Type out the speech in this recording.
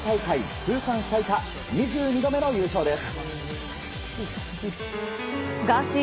通算最多２２度目の優勝です。